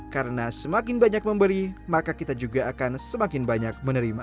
karena semakin banyak memberi maka kita juga akan semakin banyak menerima